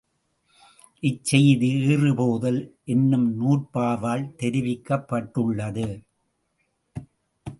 இச்செய்தி ஈறு போதல் என்னும் நூற்பாவால் தெரிவிக்கப்பட்டுள்ளது.